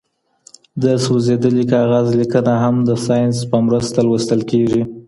د سوزېدلي کاغذ لیکنه هم د ساینس په مرسته لوستل کیږي.